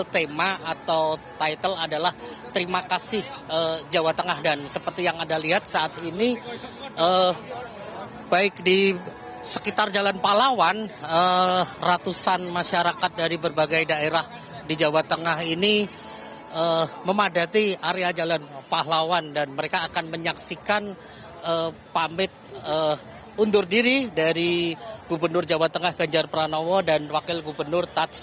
tema atau title adalah terima kasih jawa tengah dan seperti yang anda lihat saat ini baik di sekitar jalan palawan ratusan masyarakat dari berbagai daerah di jawa tengah ini memadati area jalan palawan dan mereka akan menyaksikan pamit undur diri dari gubernur jawa tengah ganjar pranowo dan wakil gubernur tats yasin